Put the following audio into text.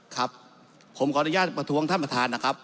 ครับผมขออนุญาตประท้วงท่านประธานนะครับ